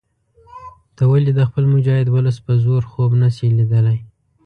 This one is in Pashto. ته ولې د خپل مجاهد ولس په زور خوب نه شې لیدلای.